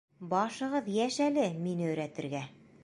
Башығыҙ йәш әле мине өйрәтергә!